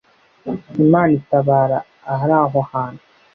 imana itabara ahari aho hantu